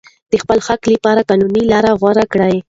د خپل حق لپاره قانوني لاره غوره کړئ.